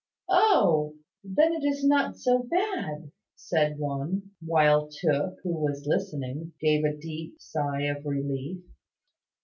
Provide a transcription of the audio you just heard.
"Oh! Then, it is not so bad," said one, while Tooke, who was listening, gave a deep sigh of relief.